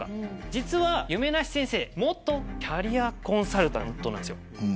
実は夢なし先生元キャリアコンサルタントなんです。